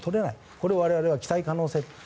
これを我々は期待可能性という。